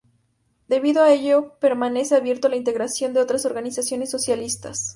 Debido a ello permanece abierto a la integración de otras organizaciones socialistas.